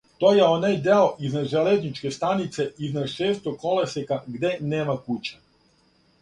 То је онај део изнад железничке станице, изнад Шестог колосека, где нема кућа.